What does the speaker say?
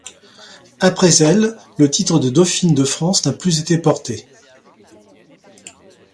Après elle, le titre de dauphine de France n'a plus été porté.